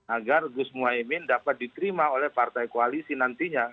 agar gus muhaymin dapat diterima oleh partai koalisi nantinya